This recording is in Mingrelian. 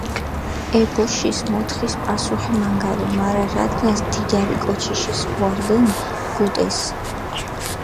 ე ბოშის მოთხის პასუხი მანგარო, მარა რადგანს დიდარი კოჩიში სქუა რდჷნი, გუტეს.